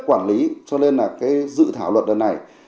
quản lý cho nên là cái dự thảo luật lần này